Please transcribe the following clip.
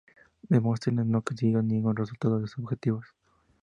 Demóstenes no consigue ningún resultado de sus objetivos.